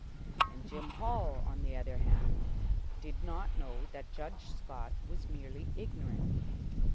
And Jim Hall, on the other hand, did not know that Judge Scott was merely ignorant.